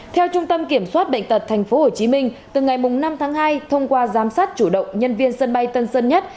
theo trung tâm kiểm soát bệnh tật tp hcm từ ngày năm tháng hai thông qua giám sát chủ động nhân viên sân bay tân sơn nhất